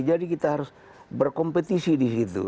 jadi kita harus berkompetisi di situ